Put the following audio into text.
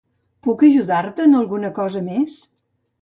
Puc ajudar-te en alguna cosa més?